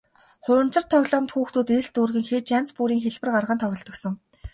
Хуванцар тоглоомд хүүхдүүд элс дүүргэн хийж элдэв янзын хэлбэр гарган тоглодог сон.